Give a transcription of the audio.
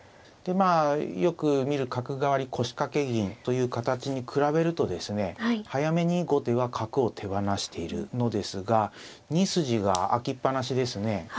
でまあよく見る角換わり腰掛け銀という形に比べるとですね早めに後手は角を手放しているのですが２筋が開きっぱなしですね。